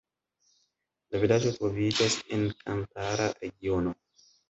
La vilaĝo troviĝas en kampara regiono.